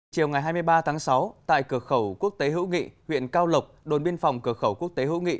chiều ngày hai mươi ba tháng sáu tại cửa khẩu quốc tế hữu nghị huyện cao lộc đồn biên phòng cửa khẩu quốc tế hữu nghị